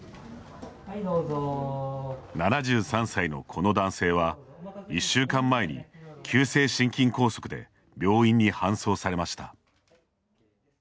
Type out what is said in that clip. ７３歳のこの男性は１週間前に急性心筋梗塞で病院に搬送されました。